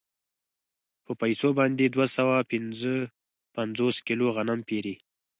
په پیسو باندې دوه سوه پنځه پنځوس کیلو غنم پېري